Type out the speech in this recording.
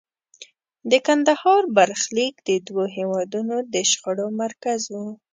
د کندهار برخلیک د دوو هېوادونو د شخړو مرکز و.